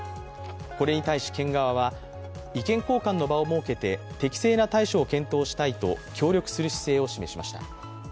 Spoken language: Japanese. これに対し県側は意見交換の場を設けて適正な対処を検討したいと協力する姿勢を示しました。